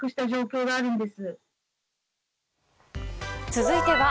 続いては「＃